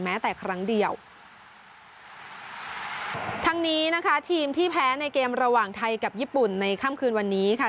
แม้แต่ครั้งเดียวทั้งนี้นะคะทีมที่แพ้ในเกมระหว่างไทยกับญี่ปุ่นในค่ำคืนวันนี้ค่ะ